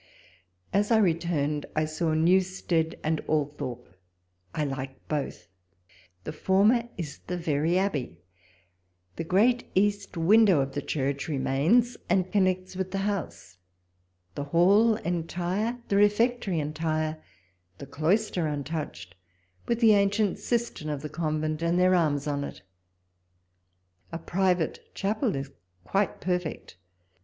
As I returned, I saw Newstead and Althorpe : I like both. The former is the very abbey. Tlie great east window of the church remains, and connects with the house ; the hall entire, the refectory entire, the cloister untouched, with the ancient cistern of the convent, and their arms on it ; a private chapel quite perfect.